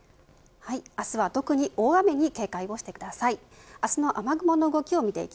明日は特に大雨に警戒をしてください。